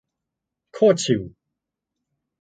โคตรชิล